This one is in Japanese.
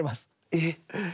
えっ？